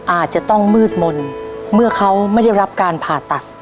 อาจจะต้องมืดมนต์เมื่อเขาไม่ได้รับการผ่าตัด